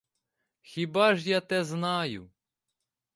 Хіба ж я за те знаю?